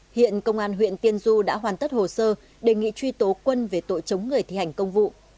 hiện công an huyện tiên du đã hoàn tất hồ sơ đề nghị truy tố quân về tội chống người thi hành công vụ